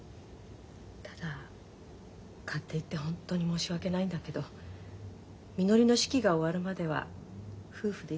ただ勝手言ってホントに申し訳ないんだけどみのりの式が終わるまでは夫婦でいさせてください。